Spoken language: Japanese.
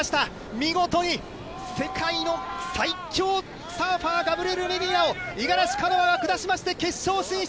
見事に世界の最強サーファー、ガブリエル・メディーナを、五十嵐カノアが下しまして、決勝進出。